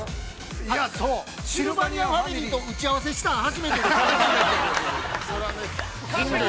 シルバニアファミリーと打ち合わせしたの初めてです。